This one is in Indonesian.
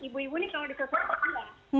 ibu ibu ini kalau disusul pasti benar